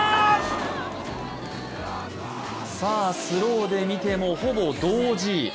スローで見てもほぼ同時。